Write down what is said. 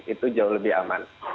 itu jauh lebih aman